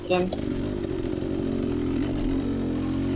প্রায় অর্ধশত মিছিলকারী ভ্যাটবিরোধী পোস্টার নিয়ে নানা ধরনের স্লোগান দিতে থাকেন।